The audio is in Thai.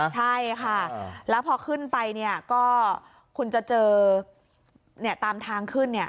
ใช่ค่ะแล้วพอขึ้นไปก็คุณจะเจอตามทางขึ้น